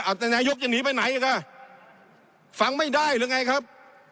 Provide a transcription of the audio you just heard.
เอาแต่นายกจะหนีไปไหนอีกอ่ะฟังไม่ได้หรือไงครับ